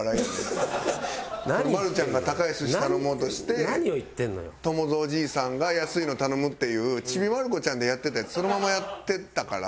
まるちゃんが高い寿司頼もうとして友蔵じいさんが安いの頼むっていう『ちびまる子ちゃん』でやってたやつそのままやってたから。